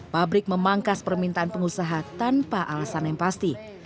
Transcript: pabrik memangkas permintaan pengusaha tanpa alasan yang pasti